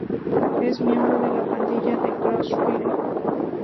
Es miembro de la pandilla de Crossfire.